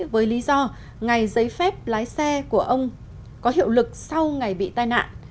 với lý do ngày giấy phép lái xe của ông có hiệu lực sau ngày bị tai nạn